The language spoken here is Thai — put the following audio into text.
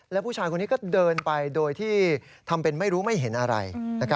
แล้วผู้ชายคนนี้ก็เดินไปโดยที่ทำเป็นไม่รู้ไม่เห็นอะไร